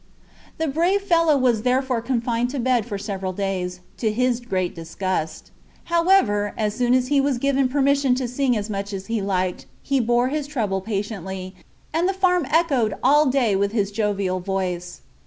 The brave fellow was therefore confined to bed for several days, to his great disgust. However, as soon as he was given permission to sing as much as he liked, he bore his trouble patiently, and the farm echoed all day with his jovial voice.